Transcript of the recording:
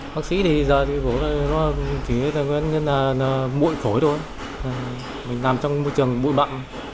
bác sĩ thì giờ thì nó chỉ là mụi phổi thôi mình nằm trong môi trường mụi bặn